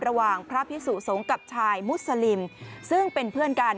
ระหว่างพระพิสุสงฆ์กับชายมุสลิมซึ่งเป็นเพื่อนกัน